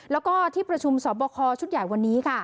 แล้วก็ที่ประชุมสวบบ่อคอชุฏยหยวันนี้